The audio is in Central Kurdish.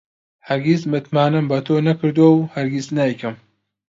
هەرگیز متمانەم بە تۆ نەکردووە و هەرگیز نایکەم.